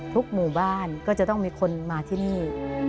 หมู่บ้านก็จะต้องมีคนมาที่นี่